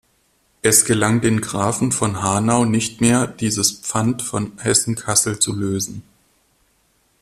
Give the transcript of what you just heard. Es gelang den Grafen von Hanau nicht mehr, dieses Pfand von Hessen-Kassel zu lösen.